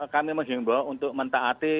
kami mengimba untuk mentaati